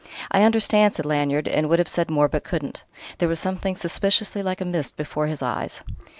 "I understand..." said Lanyard; and would have said more, but couldn't. There was something suspiciously like a mist before his eyes.